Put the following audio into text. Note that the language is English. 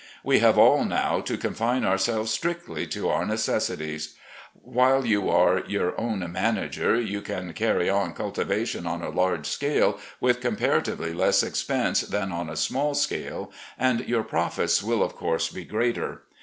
We have all, now, to confine ourselves strictly to our necessities. ... While you are your own manager you can carry on cultivation on a large scale with com paratively less expense than on a small scale, and your profits will of course be greater.